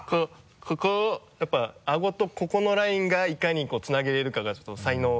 ここをやっぱりアゴとここのラインがいかにつなげれるかがちょっと才能が。